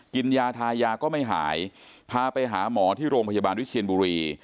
กินยาทายาก็ไม่หายพาไปหาหมอที่โรงพยาบาลวิเชียนบุรี